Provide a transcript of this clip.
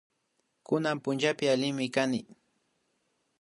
Kunan punllapi allimi kani